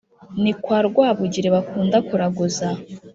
ni kwa rwabugiri bakunda kuraguza